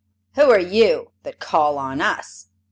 "Who are you that call on us?"